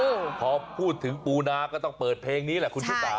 พอพูดถึงปูนาก็ต้องเปิดเพลงนี้แหละคุณชิสา